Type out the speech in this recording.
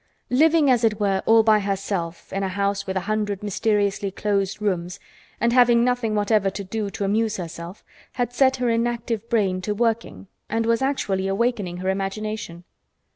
Living as it were, all by herself in a house with a hundred mysteriously closed rooms and having nothing whatever to do to amuse herself, had set her inactive brain to working and was actually awakening her imagination.